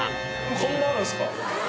こんなあるんすか！？